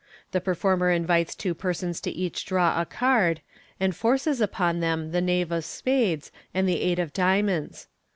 The performer invites two persons to each draw a card, and " forces " upon them the knave of spades and eight of diamonds.